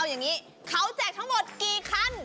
อย่างนี้เขาแจกทั้งหมดกี่คัน